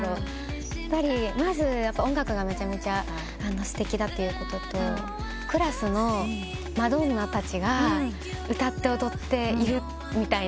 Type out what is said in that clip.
まず音楽がめちゃめちゃすてきだということとクラスのマドンナたちが歌って踊っているみたいな。